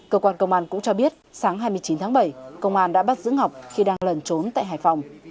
cơ quan công an cũng cho biết sáng hai mươi chín tháng bảy công an đã bắt giữ ngọc khi đang lẩn trốn tại hải phòng